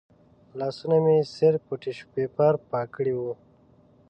لاسونه مې صرف په ټیشو پیپر پاک کړي و.